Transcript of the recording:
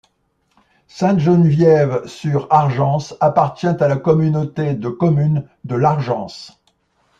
Sainte-Geneviève-sur-Argence appartient à la communauté de communes de l'Argence.